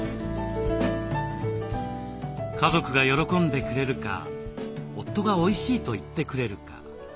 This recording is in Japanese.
家族が喜んでくれるか夫がおいしいと言ってくれるか。